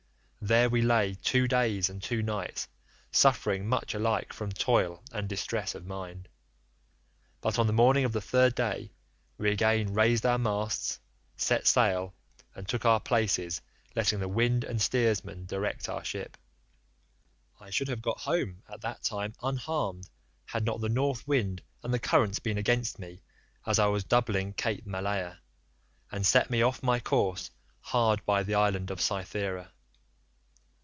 There we lay two days and two nights suffering much alike from toil and distress of mind, but on the morning of the third day we again raised our masts, set sail, and took our places, letting the wind and steersmen direct our ship. I should have got home at that time unharmed had not the North wind and the currents been against me as I was doubling Cape Malea, and set me off my course hard by the island of Cythera.